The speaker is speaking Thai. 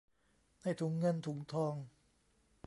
ในถุงเงินถุงทอง